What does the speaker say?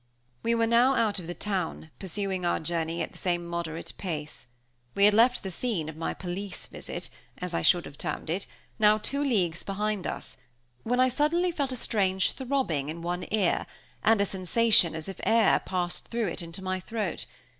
We were now out of the town, pursuing our journey at the same moderate pace. We had left the scene of my police visit, as I should have termed it, now two leagues behind us, when I suddenly felt a strange throbbing in one ear, and a sensation as if air passed through it into my throat.